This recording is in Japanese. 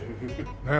ねえ。